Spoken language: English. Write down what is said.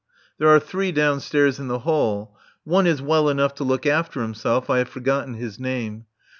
There are three downstairs in the hall. One is well enough to look after himself (I have forgotten his name).